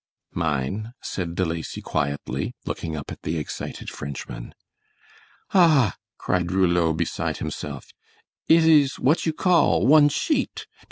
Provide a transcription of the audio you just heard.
"Mine," said De Lacy, quietly, looking up at the excited Frenchman. "Ah," cried Rouleau, beside himself. "It is what you call? One cheat!